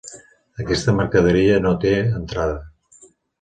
Aquesta mercaderia no té entrada.